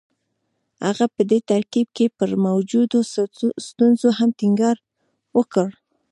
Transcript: هغه په دې ترکيب کې پر موجودو ستونزو هم ټينګار وکړ.